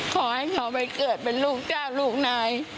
ขอให้เขาไปเกิดเป็นลูกเจ้าลูกนาย